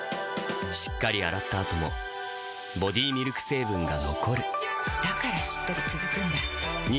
しっかり洗った後もボディミルク成分が残るだからしっとり続くんだ。